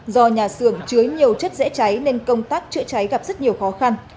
do nhà xưởng chứa nhiều chất dễ cháy nên công tác chữa cháy gặp rất nhiều khó khăn